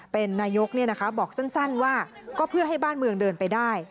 เป็นนายกบอกสั้นว่าก็เพื่อให้บ้านเมืองเดินไปได้